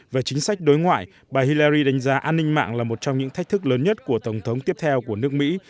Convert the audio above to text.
về chính sách đối ngoại bà hillari đánh giá an ninh mạng là một trong những thách thức lớn nhất của tổng thống tiếp theo của nước mỹ